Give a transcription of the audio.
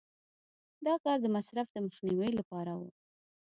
دا کار د مصرف د مخنیوي لپاره و.